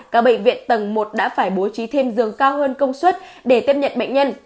các bệnh viện tầng một đã phải bố trí thêm giường cao hơn công suất để tiếp nhận bệnh nhân